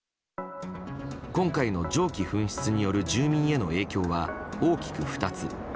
今回の蒸気噴出による住民への影響は大きく２つ。